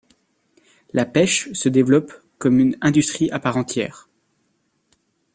La pêche se développe comme une industrie à part entière.